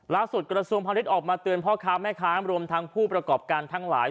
ล้าสุดกรสมภัยฤทธิ์ออกมาเตือนพ่อครับแม่ค้าอำรุมทางผู้ประกอบการทั้งหลาย